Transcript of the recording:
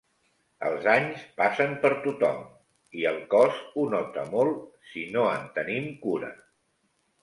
Els anys passen per tothom i el cos ho nota molt si no en tenim cura.